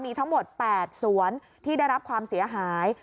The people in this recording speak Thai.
มีทั้งหมด๘สวนที่ได้รับความเสียหาย